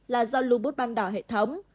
là do lupus ban đảo hệ thống